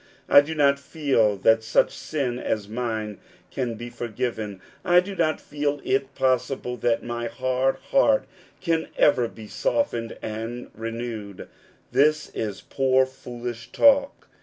I do not feel that such sin as mine can be forgiven. I do not feel it possible that my hard heart can ever be softened and renewed." This is poor, foolish talk.